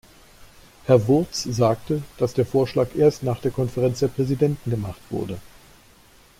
Herr Wurtz sagte, dass der Vorschlag erst nach der Konferenz der Präsidenten gemacht wurde.